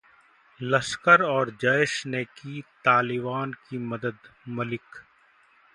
लश्कर और जैश ने की तालिबान की मदद: मलिक